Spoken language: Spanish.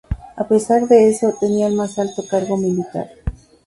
A pesar de eso, tenía el más alto cargo militar.